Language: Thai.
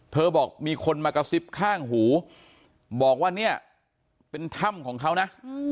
บอกมีคนมากระซิบข้างหูบอกว่าเนี่ยเป็นถ้ำของเขานะ